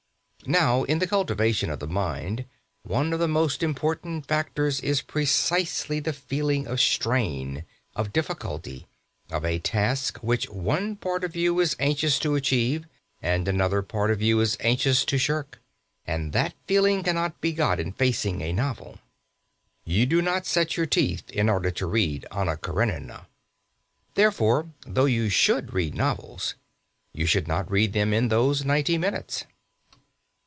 Now in the cultivation of the mind one of the most important factors is precisely the feeling of strain, of difficulty, of a task which one part of you is anxious to achieve and another part of you is anxious to shirk; and that feeling cannot be got in facing a novel. You do not set your teeth in order to read "Anna Karenina." Therefore, though you should read novels, you should not read them in those ninety minutes.